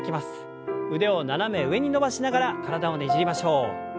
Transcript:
腕を斜め上に伸ばしながら体をねじりましょう。